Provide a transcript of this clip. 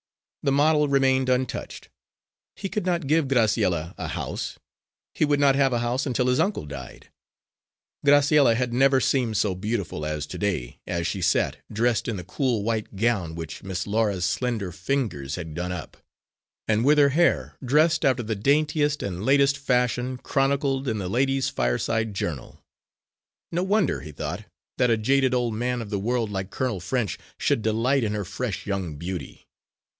The model remained untouched. He could not give Graciella a house; he would not have a house until his uncle died. Graciella had never seemed so beautiful as to day, as she sat, dressed in the cool white gown which Miss Laura's slender fingers had done up, and with her hair dressed after the daintiest and latest fashion chronicled in the Ladies' Fireside Journal. No wonder, he thought, that a jaded old man of the world like Colonel French should delight in her fresh young beauty!